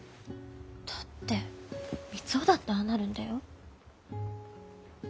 だって三生だってああなるんだよ？